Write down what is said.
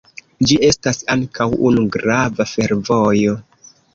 Ĝi estas ankaŭ unu grava fervojo.